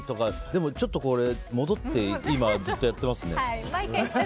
でもちょっと、戻ってずっとやってますね。